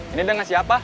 ini dengan siapa